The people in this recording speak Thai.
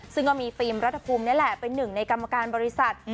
ซึ่งก็มีฟิล์มรัฐภูมินี่แหละเป็นหนึ่งในกรรมการบริษัท